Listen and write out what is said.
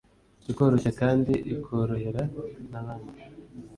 ikoroshya kandi ikorohera n'abandi